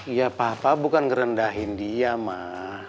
ya papa bukan ngerendahin dia mah